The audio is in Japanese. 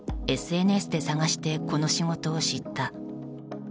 ＳＮＳで探してこの仕事を知った。